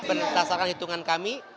berdasarkan hitungan kami